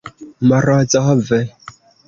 Morozov?